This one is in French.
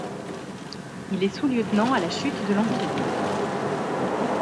Il est sous-lieutenant à la chute de l’Empire.